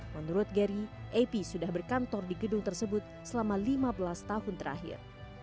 menurut gary ap sudah berkantor di gedung tersebut selama lima belas tahun terakhir